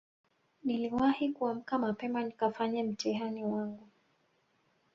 niliwahi kuamka mapema nikafanye mtihani wangu